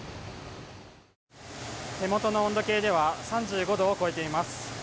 手元の温度計では３５度を超えています。